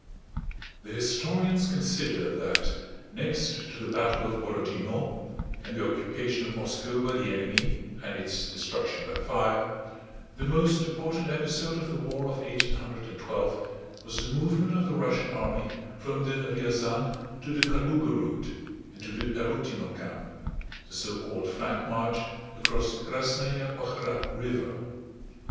The historians consider that, next to the battle of Borodinó and the occupation of Moscow by the enemy and its destruction by fire, the most important episode of the war of 1812 was the movement of the Russian army from the Ryazána to the Kalúga road and to the Tarútino camp—the so called flank march across the Krásnaya Pakhrá River.